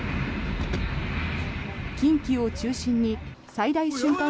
近畿を中心に最大瞬間